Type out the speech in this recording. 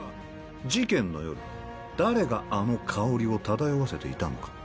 事件の夜、誰があの香りを漂わせていたのか。